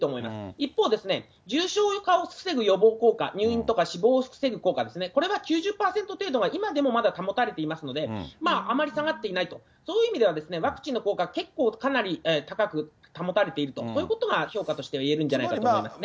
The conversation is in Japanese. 一方、重症化を防ぐ予防効果、入院とか死亡を防ぐ効果ですね、これは９０％程度は今でもまだ保たれてますので、あまり下がっていないと、そういう意味では、ワクチンの効果、結構かなり高く保たれていると、そういうことが評価としては言えるんじゃないかと思いますね。